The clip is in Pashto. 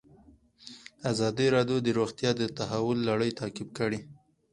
ازادي راډیو د روغتیا د تحول لړۍ تعقیب کړې.